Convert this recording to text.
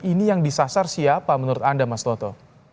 ini yang disasar siapa menurut anda mas loto